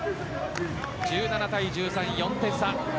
１７対１３、４点差。